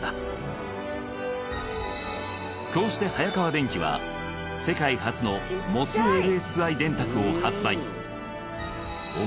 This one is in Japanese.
こうして「早川電機」は世界初のＭＯＳ−ＬＳＩ電卓を発売ちっちゃい！